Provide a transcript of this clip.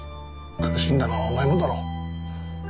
苦しんだのはお前もだろ？